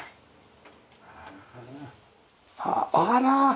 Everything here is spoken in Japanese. あら！